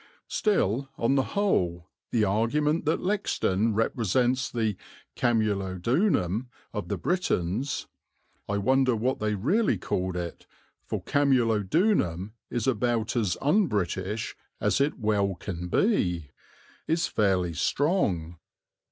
Still, on the whole, the argument that Lexden represents the Camulodunum of the Britons (I wonder what they really called it, for Camulodunum is about as unBritish as it well can be) is fairly strong.